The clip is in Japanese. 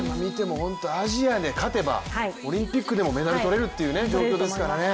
アジアで勝てばオリンピックでもメダル取れるという状況ですからね。